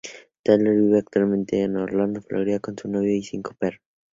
Taylor vive actualmente en Orlando, Florida con su novio y cinco perros.